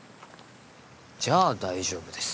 じゃあ大丈夫です。